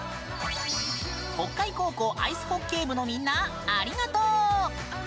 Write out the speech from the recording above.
北海高校アイスホッケー部のみんな、ありがとう！